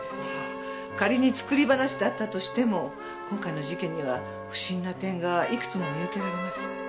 仮に作り話だったとしても今回の事件には不審な点がいくつも見受けられます。